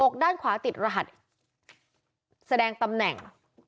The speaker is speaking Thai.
ด้านขวาติดรหัสแสดงตำแหน่ง